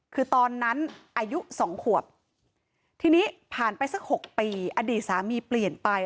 คือตอนนั้นอายุ๒ขวบทีนี้ผ่านไปสัก๖ปีอดีตสามีเปลี่ยนไป